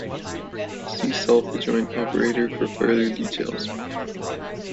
See self-adjoint operator for further details.